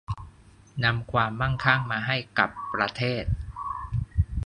นำความมั่งคั่งมาให้กับประเทศ